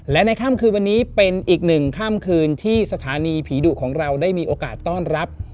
และในค่ำคืนวันนี้เป็นอีกหนึ่งค่ำคืนที่สถานีผีดุของเราได้มีโอกาสต้อนรับ